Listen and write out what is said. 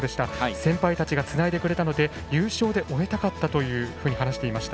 先輩たちがつないでくれたので優勝で終えたかったと話していました。